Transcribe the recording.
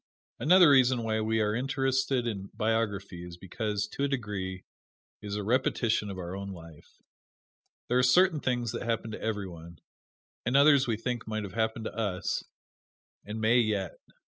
Another reason why we are interested in biography is because, to a degree, it is a repetition of our own life. There are certain things that happen to every one, and others we think might have happened to us, and may yet.